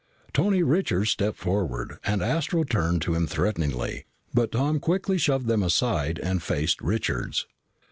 Tony Richards stepped forward and Astro turned to him threateningly, but Tom quickly shoved them aside and faced Richards.